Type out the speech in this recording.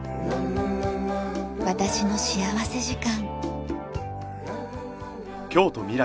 『私の幸福時間』。